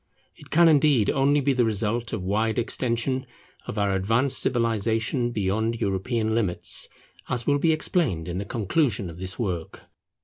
It can indeed only be the result of wide extension of our advanced civilization beyond European limits, as will be explained in the conclusion of this work.